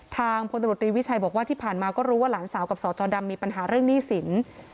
พลตำรวจรีวิชัยบอกว่าที่ผ่านมาก็รู้ว่าหลานสาวกับสจดำมีปัญหาเรื่องหนี้สิน